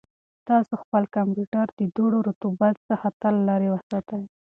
تاسو خپل کمپیوټر د دوړو او رطوبت څخه تل لرې وساتئ.